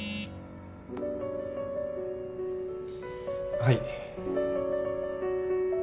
はい。